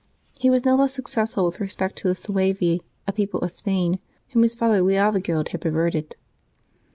He was no less successful with respect to the Suevi, a people of Spain, whom his father Leovigild had per verted.